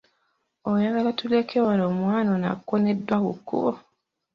Oyogala tuleke wano omwana ono akooneddwa ku kkubo.